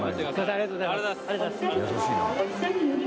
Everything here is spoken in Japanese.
ありがとうございます。